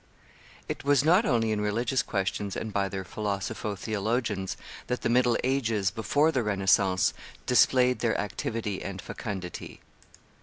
It was not only in religious questions and by their philosopho theologians that the middle ages, before the Renaissance, displayed their activity and fecundity.